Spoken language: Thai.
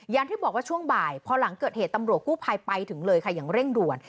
อย่างที่บอกว่าช่วงบ่ายพอหลังเกิดเหตุตำรวจกู้ภัยไปถึงเลยค่ะอย่างเร่งด่วน